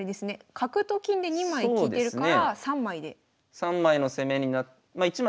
角と金で２枚利いてるから３枚で。